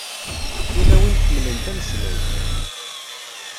Tulawin ḥemmlent ameslay.